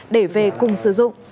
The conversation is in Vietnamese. để về cùng sử dụng